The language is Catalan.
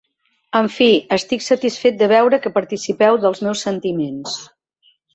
En fi, estic satisfet de veure que participeu dels meus sentiments.